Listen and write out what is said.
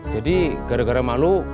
jadi gara gara malu